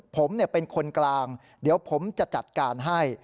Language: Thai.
ผมเป็นคนกลางเดี๋ยวผมจะจัดการให้